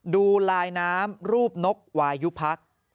ดูลายน้ำรูปนกวายุพัก